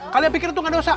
kalian pikir itu gak dosa